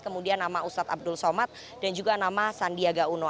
kemudian nama ustadz abdul somad dan juga nama sandiaga uno